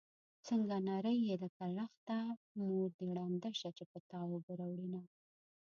څنګه نرۍ يې لکه لښته مور دې ړنده شه چې په تا اوبه راوړينه